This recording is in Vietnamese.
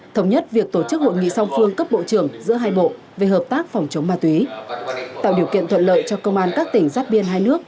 thống nhất việc tổ chức hội nghị song phương cấp bộ trưởng giữa hai bộ về hợp tác phòng chống ma túy tạo điều kiện thuận lợi cho công an các tỉnh giáp biên hai nước